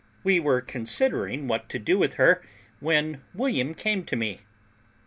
We were considering what to do with her, when William came to me.